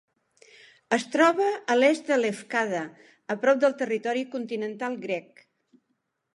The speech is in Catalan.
Es troba a l'est de Lefkada, a prop del territori continental grec.